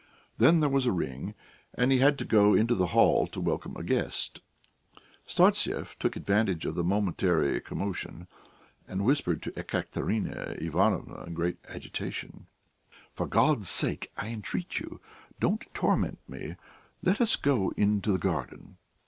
Then there was a ring and he had to go into the hall to welcome a guest; Startsev took advantage of the momentary commotion, and whispered to Ekaterina Ivanovna in great agitation: "For God's sake, I entreat you, don't torment me; let us go into the garden!"